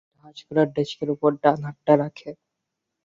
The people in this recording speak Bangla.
সে ঠাস্ করে ডেস্কের ওপর ডান হাতটা রাখে।